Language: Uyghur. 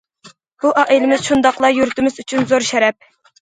بۇ ئائىلىمىز، شۇنداقلا يۇرتىمىز ئۈچۈن زور شەرەپ.